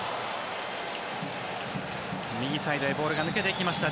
右サイドへボールが抜けていきました。